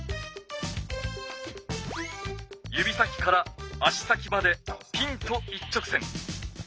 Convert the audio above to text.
ゆび先から足先までピンと一直線。